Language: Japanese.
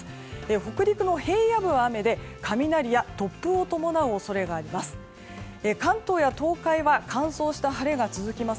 北陸の平野部は雨で雷や突風を伴う恐れがあります。